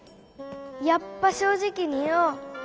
やっぱ正直に言おう。